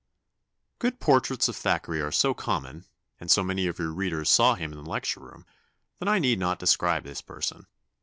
] "Good portraits of Thackeray are so common, and so many of your readers saw him in the lecture room, that I need not describe his person.